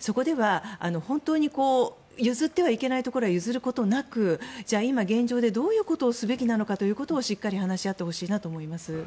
そこでは、本当に譲ってはいけないところは譲ることなく今現状でどういうことをすべきなのかということをしっかり話し合ってほしいなと思います。